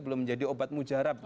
belum menjadi obat mujarab